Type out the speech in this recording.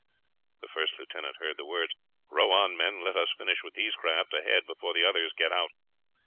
The first lieutenant heard the words. "Row on, men; let us finish with these craft ahead before the others get out.